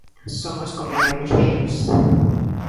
Somos como reloxeiros.